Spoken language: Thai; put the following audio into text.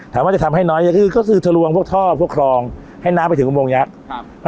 ว่าจะทำให้น้อยยังคือก็คือทะลวงพวกท่อพวกครองให้น้ำไปถึงอุโมงยักษ์ครับ